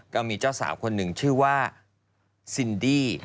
ก็มีเจ้าสาวคนหนึ่งชื่อว่าซินดี้